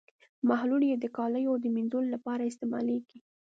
محلول یې د کالیو د مینځلو لپاره استعمالیږي.